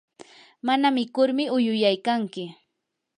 mana mikurmi uyuyaykanki.